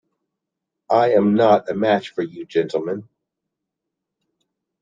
I am not a match for you, gentlemen.